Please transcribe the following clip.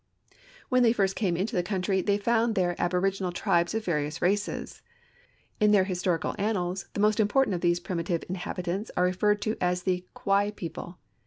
When they first came into the country, they found there aboriginal tribes of various races. In their historical annals the most important of these primitive inhabitants are referred to as the "Kwei people."